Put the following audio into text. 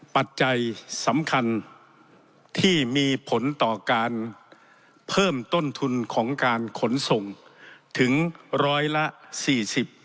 ปัจจัยสำคัญที่มีผลต่อการเพิ่มต้นทุนของการขนส่งถึงร้อยละสี่สิบ